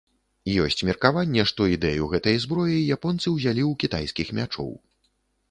Ёсць меркаванне, што ідэю гэтай зброі японцы ўзялі ў кітайскіх мячоў.